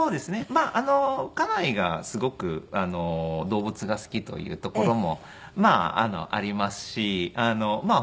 まあ家内がすごく動物が好きというところもありますしまあ